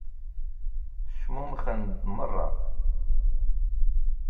Cmumxen-d meṛṛa.